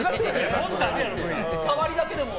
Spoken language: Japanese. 触りだけでも。